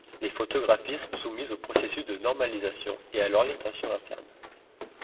Les photographies sont soumises au processus de normalisation et à l'orientation interne.